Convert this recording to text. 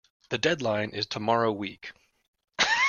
The deadline is tomorrow week